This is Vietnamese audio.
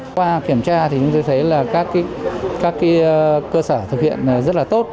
qua kiểm tra thì chúng tôi thấy là các cơ sở thực hiện rất là tốt